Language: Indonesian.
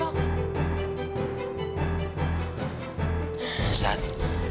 sampai stadion empat